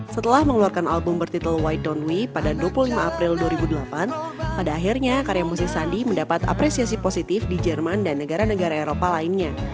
setelah mengeluarkan album bertitul white don we pada dua puluh lima april dua ribu delapan pada akhirnya karya musik sandi mendapat apresiasi positif di jerman dan negara negara eropa lainnya